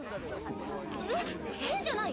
えっ変じゃない？